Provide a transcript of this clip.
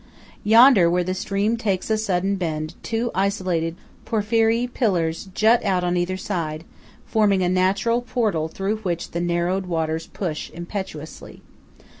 Yonder, where the stream takes a sudden bend, two isolated porphyry pillars jut out on either side, forming a natural portal through which the narrowed waters rush impetuously.